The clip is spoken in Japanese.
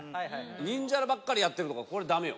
ニンジャラばっかりやってるとかこれだめよ。